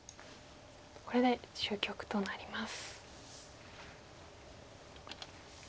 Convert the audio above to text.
これで終局となります。